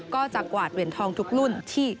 ก็จะกวาดเหรียญทองทุกรุ่นที่